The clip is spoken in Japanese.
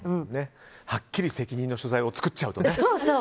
はっきり責任の所在を作っちゃうとね。